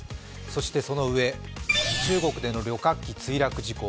そしてその上、中国での旅客機墜落事故。